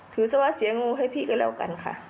ถือเสียว่าเสียงมูลให้พี่ก็เล่ากันค่ะ